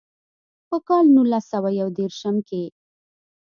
پۀ کال نولس سوه يو ديرشم کښې